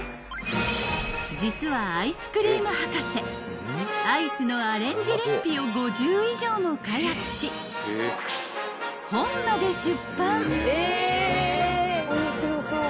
［実はアイスクリーム博士アイスのアレンジレシピを５０以上も開発し本まで出版］